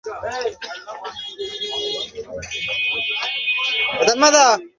অবশ্যই এটা বিক্রির জন্য।